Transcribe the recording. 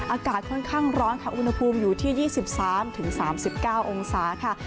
อากาศค่อนข้างร้อนค่ะอุณหภูมิอยู่ที่๒๓๓๙องศาค่ะ